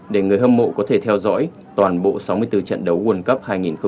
để người hâm mộ có thể theo dõi toàn bộ sáu mươi bốn trận đấu vuôn cấp hai nghìn hai mươi hai